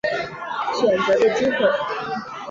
选择的机会